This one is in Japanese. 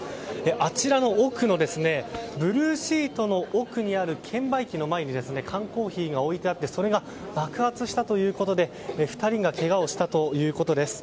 あちらのブルーシートの奥にある券売機の前に缶コーヒーが置いてあってそれが爆発したということで２人がけがをしたということです。